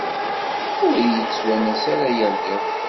Ur iyi-yettwanas ara yal iḍ.